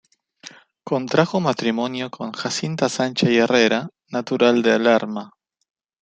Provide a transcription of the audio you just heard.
Contrajo matrimonio con Jacinta Sancha y Herrera, natural de Lerma.